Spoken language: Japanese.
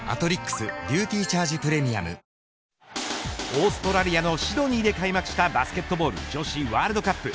オーストラリアのシドニーで開幕したバスケットボール女子ワールドカップ。